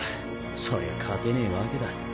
そりゃ勝てねえわけだ。